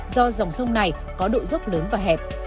do dòng sông này có độ dốc lớn và hẹp